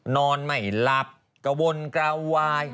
นอนไม่หลับกระวนกระวาย